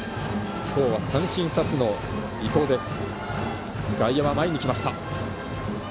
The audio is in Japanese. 今日は三振２つの伊藤です。